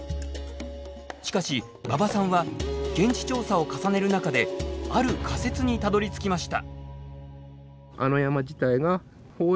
しかし馬場さんは現地調査を重ねる中である仮説にたどりつきました。